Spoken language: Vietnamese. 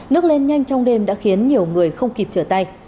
nước lên nhanh trong đêm đã khiến nhiều người không kịp trở tay